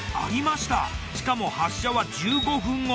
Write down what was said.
しかも発車は１５分後。